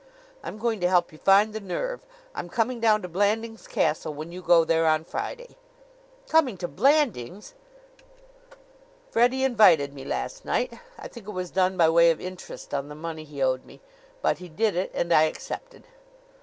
I'm going to help you find the nerve. I'm coming down to Blandings Castle when you go there on Friday." "Coming to Blandings!" "Freddie invited me last night. I think it was done by way of interest on the money he owed me; but he did it and I accepted."